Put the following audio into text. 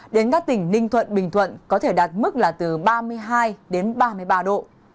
đến các tỉnh ninh thuận bình thuận có thể đạt mức là từ ba mươi hai đến ba mươi ba độ